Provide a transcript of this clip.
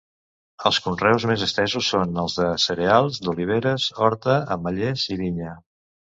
Els conreus més estesos són els de cereals, d’oliveres, horta, ametllers i vinya.